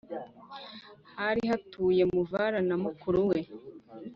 Hari hatuye Muvara na mukuru we